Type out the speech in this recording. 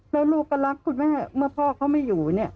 แล้วลูกก็รักคุณแม่เมื่อพ่อเขาไม่อยู่เนี่ย